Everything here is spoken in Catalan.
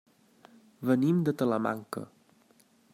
Venim de Talamanca.